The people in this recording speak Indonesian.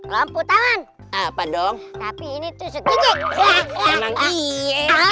lampu taman apa dong tapi ini tuh